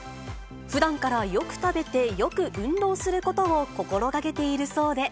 ふだんからよく食べて、よく運動することを心がけているそうで。